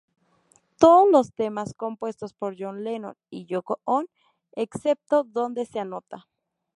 Todos los temas compuestos por John Lennon y Yōko Ono, excepto donde se anota.